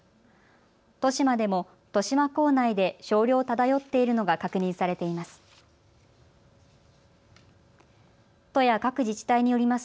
利島でも利島港内で少量漂っているのが確認されています。